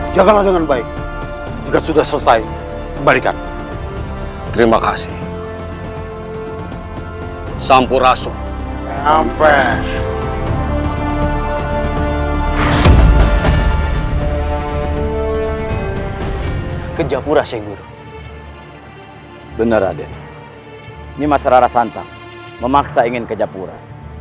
jangan lupa like share dan subscribe